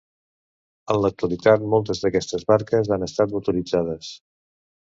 En l'actualitat moltes d'aquestes barques han estat motoritzades.